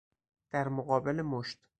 در مقابل مشت